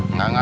gak gak gak